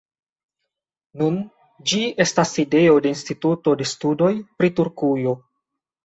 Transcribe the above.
Nun ĝi estas sidejo de instituto de studoj pri Turkujo.